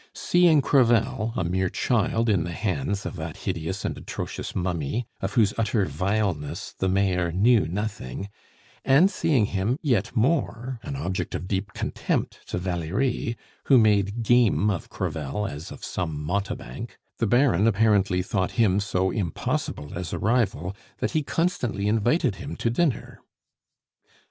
Seeing Crevel a mere child in the hands of that hideous and atrocious mummy, of whose utter vileness the Mayor knew nothing; and seeing him, yet more, an object of deep contempt to Valerie, who made game of Crevel as of some mountebank, the Baron apparently thought him so impossible as a rival that he constantly invited him to dinner.